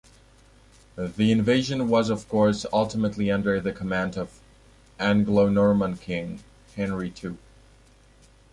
The invasion was of course ultimately under the command of Anglo-Norman king, Henry ll.